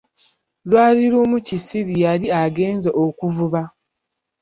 Lwali lumu Kisiri yali agenze okuvuba.